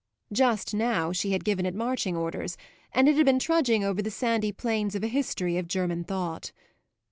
Just now she had given it marching orders and it had been trudging over the sandy plains of a history of German Thought.